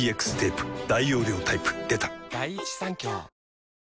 大容量タイプ出た！